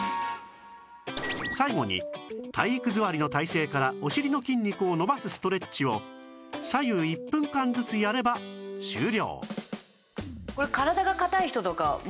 最後に体育座りの体勢からお尻の筋肉を伸ばすストレッチを左右１分間ずつやれば終了